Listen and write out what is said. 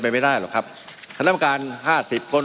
มันมีมาต่อเนื่องมีเหตุการณ์ที่ไม่เคยเกิดขึ้น